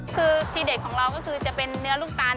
คือทีเด็ดของเราก็คือจะเป็นเนื้อลูกตาล